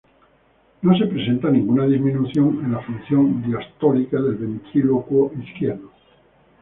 No se presenta ninguna disminución en la función diastólica del ventrículo izquierdo.